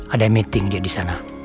ada meeting dia di sana